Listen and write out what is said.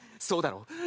そうだろう？